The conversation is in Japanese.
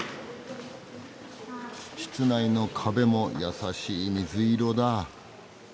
室内の壁も優しい水色だ。